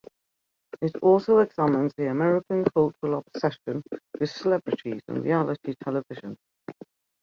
It also examines the American cultural obsession with celebrities and reality television.